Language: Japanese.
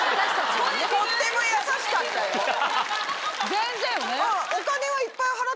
全然よね。